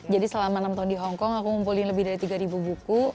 jadi selama enam tahun di hongkong aku ngumpulin lebih dari tiga ribu buku